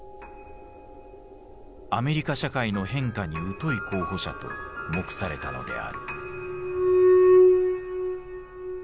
アメリカ社会の変化に疎い候補者と目されたのである。